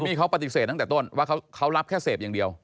นี่เขาปฏิเสธตั้งแต่ต้นว่าเขารับแค่เสพอย่างเดียว